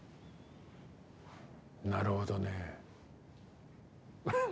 なるほどねぇ。